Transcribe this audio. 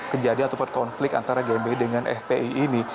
kejadian atau konflik antara gmi dengan fpi ini